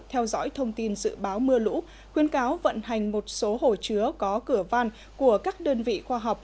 theo dõi thông tin dự báo mưa lũ khuyên cáo vận hành một số hồ chứa có cửa van của các đơn vị khoa học